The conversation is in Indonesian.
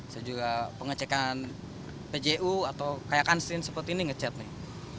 saya juga pengecekan pju atau kayak kanstin seperti ini ngecet nih